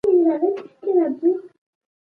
اخلاقي سلوک د کرکې مخه نیسي.